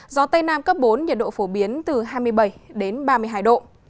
gió tây nam cấp bốn nhiệt độ phổ biến từ hai mươi bảy đến ba mươi hai độ